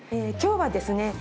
今日はですね